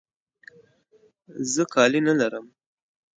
زه کالي نه لرم.